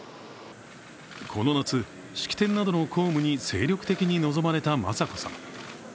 この夏、式典などの公務に精力的に臨まれた雅子さま。